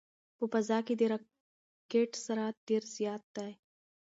په فضا کې د راکټ سرعت ډېر زیات وي.